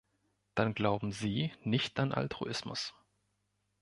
Dann glauben Sie nicht an Altruismus.